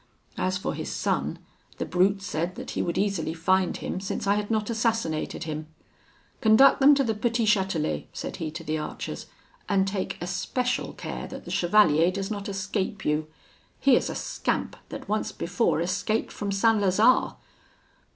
As for his son, the brute said that he would easily find him, since I had not assassinated him. 'Conduct them to the Petit Chatelet,' said he to the archers; 'and take especial care that the chevalier does not escape you: he is a scamp that once before escaped from St. Lazare.'